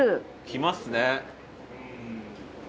きますね。